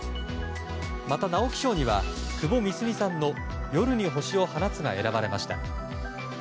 また直木賞には、窪美澄さんの「夜に星を放つ」が選ばれました。